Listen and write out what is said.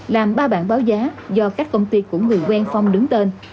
làm ba bảng báo giá do các công ty của người quen phong đứng tên